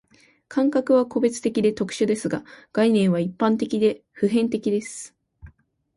感覚は個別的で特殊ですが、概念は一般的で普遍的です。